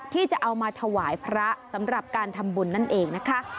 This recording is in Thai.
ที่จะเอามาถวายพระสำหรับการทำบุญนั่นเองนะคะ